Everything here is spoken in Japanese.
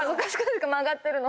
曲がってるの。